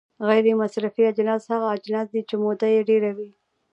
غیر مصرفي اجناس هغه اجناس دي چې موده یې ډیره وي.